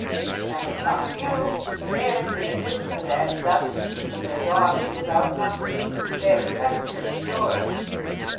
"I have found you; and, in addition to that, duchesses and their daughters without number. They expect Prince George!"